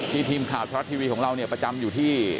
ทีมข่าวทรัฐทีวีของเราเนี่ยประจำอยู่ที่